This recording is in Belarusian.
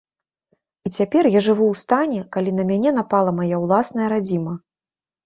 І цяпер я жыву ў стане, калі на мяне напала мая ўласная радзіма.